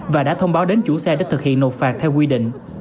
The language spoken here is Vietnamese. và đã thông báo đến chủ xe để thực hiện nộp phạt theo quy định